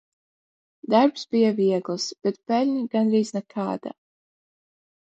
Darbs bija viegls bet peļņa gandrīz nekāda.